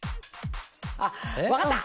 あっ分かった！